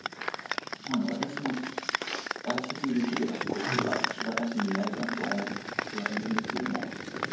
私も外出できれば少しは気晴らしになるかなと思ってはいるんですけども